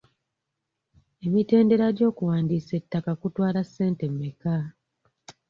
Emitendera gy'okuwandiisa ettaka kutwala ssente mmeka?